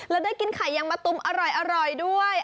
แล้วได้กินไข่ยังมะตูมอร่อยด้วย